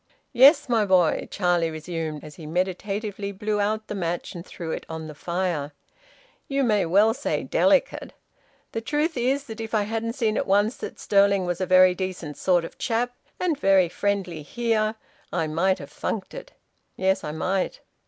"Yes, my boy," Charlie resumed, as he meditatively blew out the match and threw it on the fire, "you may well say `delicate.' The truth is that if I hadn't seen at once that Stirling was a very decent sort of chap, and very friendly here, I might have funked it. Yes, I might.